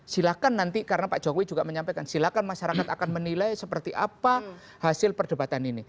silahkan nanti karena pak jokowi juga menyampaikan silakan masyarakat akan menilai seperti apa hasil perdebatan ini